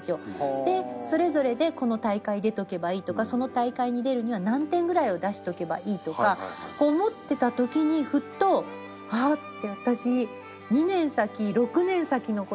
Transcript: でそれぞれでこの大会出とけばいいとかその大会に出るには何点ぐらいを出しとけばいいとか思ってた時にふっと「ああ！」って。